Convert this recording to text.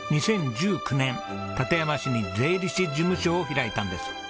２０１９年館山市に税理士事務所を開いたんです。